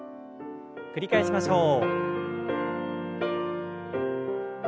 繰り返しましょう。